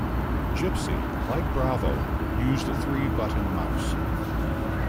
Gypsy, like Bravo, used a three-button mouse.